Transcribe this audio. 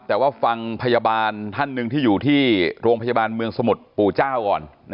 แต่ว่าฟังพยาบาลท่านหนึ่งที่อยู่ที่โรงพยาบาลเมืองสมุทรปู่เจ้าก่อน